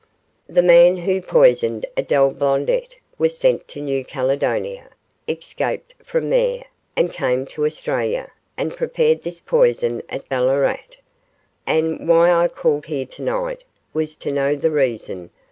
The man who poisoned Adele Blondet was sent to New Caledonia, escaped from there, and came to Australia, and prepared this poison at Ballarat; and why I called here tonight was to know the reason M.